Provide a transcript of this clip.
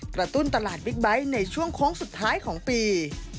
ตุ้นตลาดบิ๊กไบท์ในช่วงโค้งสุดท้ายของปี